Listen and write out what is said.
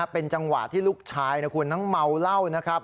เป็นจังหวะที่ลูกชายนะคุณทั้งเมาเหล้านะครับ